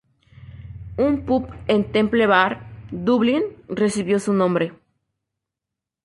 Un pub en Temple Bar, Dublín, recibió su nombre.